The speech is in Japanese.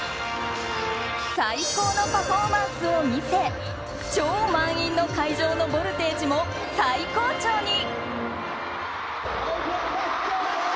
最高のパフォーマンスを見せ超満員の会場のボルテージも最高潮に。